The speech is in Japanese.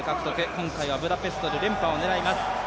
今回はブダペストで連覇を狙います。